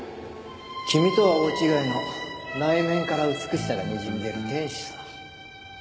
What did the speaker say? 君とは大違いの内面から美しさがにじみ出る天使さ。